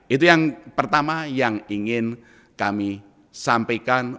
itu yang pertama yang ingin kami sampaikan